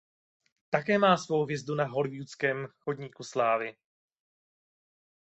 Také má svou hvězdu na hollywoodském chodníku slávy.